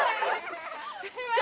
すいません！